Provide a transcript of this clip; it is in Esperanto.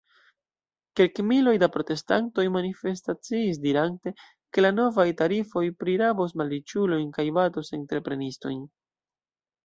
Kelkmiloj da protestantoj manifestaciis, dirante, ke la novaj tarifoj prirabos malriĉulojn kaj batos entreprenistojn.